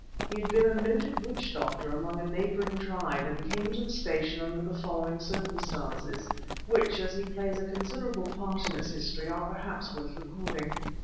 He had been a noted witch doctor among a neighbouring tribe, and came to the station under the following circumstances, which, as he plays a considerable part in this history, are perhaps worth recording.